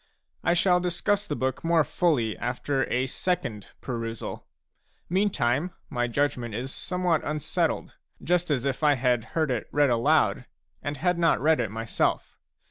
I shall discuss the book more fully after a second perusal ; meantime, my judgment is somewhat unsettled, just as if I had heard it read aloud, and had not read it myself.